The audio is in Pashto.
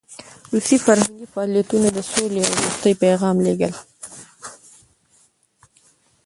روسي فرهنګي فعالیتونه د سولې او دوستۍ پیغام لېږل.